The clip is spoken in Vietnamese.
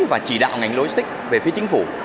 và chỉ đạo ngành logistic về phía chính phủ